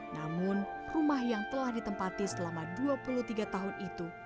namun rumah yang telah ditempati selama dua puluh tiga tahun itu